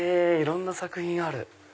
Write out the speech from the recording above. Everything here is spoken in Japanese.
いろんな作品がある。